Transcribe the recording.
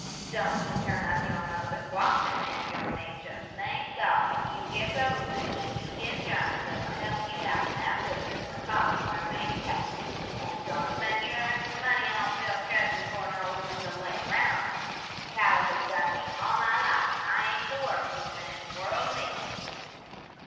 Don' you turn up yer nose at washin', an' yer may jes' thank God ef you gits a 'ooman when you git jined that'll help you out in that business when college learnin' ain't payin'. An' don' spend yer extra money on silk dresses fer no 'ooman to lay roun' in. Caliker's done me all my life an' I ain't the worst 'ooman in the wurl' neither."